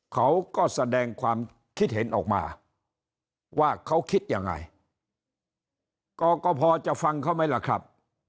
เขาก็แสดงความคิดเห็นออกมาว่าเขาคิดยังไงกกพจะฟังเขาไหมล่ะครับ